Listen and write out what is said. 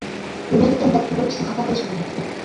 بىلمەيدىكەن دەپ توغرا ئىشنى خاتا قىلىشقا بولمايدۇ.